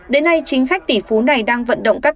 đến nay chính khách tỷ phú nước mỹ đã bỏ phiếu cho ông trump